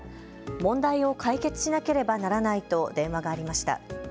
問題を解決しなければならないと電話がありました。